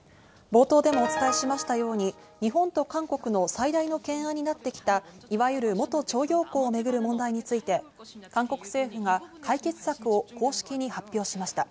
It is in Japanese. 冒頭でもお伝えしましたように、日本と韓国の最大の懸案になってきた、いわゆる元徴用工を巡る問題について、韓国政府が解決策を公式に発表しました。